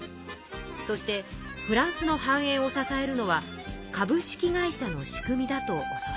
そしてフランスの繁栄を支えるのは株式会社の仕組みだと教わります。